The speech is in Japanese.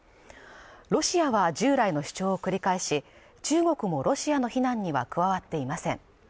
ロシアは従来の主張を繰り返し中国もロシアの非難には加わっていません